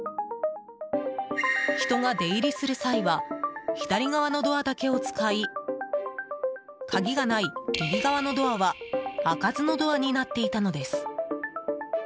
人が出入りする際は左側のドアだけを使い鍵がない右側のドアは開かずのドアになっていたのです。